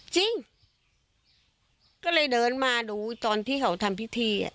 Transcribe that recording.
จริงก็เลยเดินมาดูตอนที่เขาทำพิธี